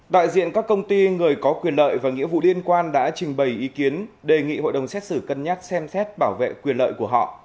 đại diện các công ty người có quyền lợi và nghĩa vụ liên quan đã trình bày ý kiến đề nghị hội đồng xét xử cân nhắc xem xét bảo vệ quyền lợi của họ